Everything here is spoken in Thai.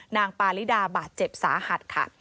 นางปาลิดาบาดเจ็บษาหัดค่ะ